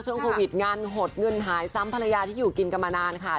ช่วงโควิดงานหดเงินหายซ้ำภรรยาที่อยู่กินกันมานานค่ะ